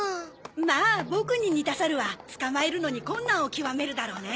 まあボクに似た猿は捕まえるのに困難を極めるだろうね。